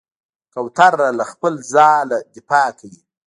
کوتره له خپل ځاله دفاع کوي.